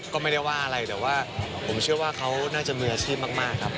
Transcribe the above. ก็ไม่ได้ว่าอะไรแต่ว่าผมเชื่อว่าเขาน่าจะมีอาชีพมากครับ